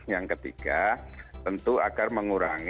yang ketiga tentu agar mengurangi